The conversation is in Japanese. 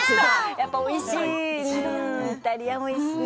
やっぱりおいしい。